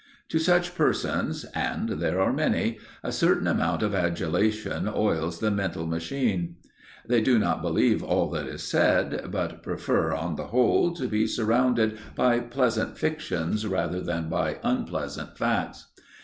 To such persons, and there are many, a certain amount of adulation oils the mental machine. They do not believe all that is said, but prefer, on the whole, to be surrounded by pleasant fictions rather than by unpleasant facts.